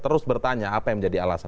terus bertanya apa yang menjadi alasan